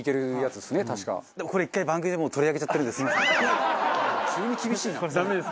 でもこれ１回番組で取り上げちゃってるんですみません。